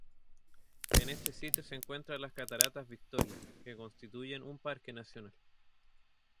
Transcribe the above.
En este sitio se encuentran las cataratas Victoria, que constituyen un parque nacional.